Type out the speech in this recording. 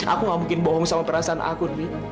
aku gak mungkin bohong sama perasaan aku nih